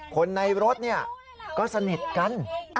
คนในรถก็สนิทกัน